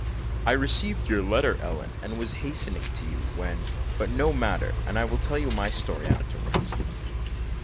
"I received your letter, Ellen, and was hastening to you, when but no matter I will tell my story afterwards."